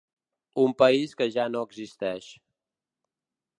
Un país que ja no existeix.